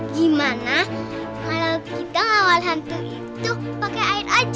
gimana kalo kita ngelawan hantu itu pake air aja